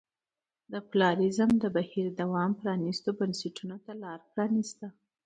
د پلورالېزم د بهیر دوام پرانیستو بنسټونو ته لار پرانېسته.